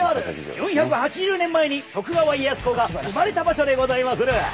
４８０年前に徳川家康公が生まれた場所でございまする！